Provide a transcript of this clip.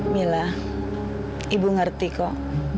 mila ibu ngerti kok